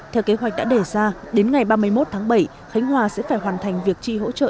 theo kế hoạch đã đề ra đến ngày ba mươi một tháng bảy khánh hòa sẽ phải hoàn thành việc tri hỗ trợ